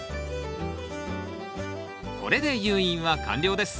これで誘引は完了です